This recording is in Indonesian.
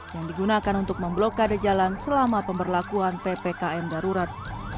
yang digunakan untuk memblokade jalan selama pemberlakuan ppkm darurat